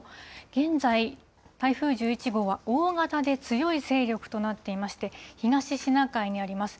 現在、台風１１号は、大型で強い勢力となっていまして、東シナ海にあります。